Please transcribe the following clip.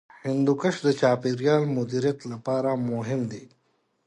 هندوکش د چاپیریال مدیریت لپاره مهم دی.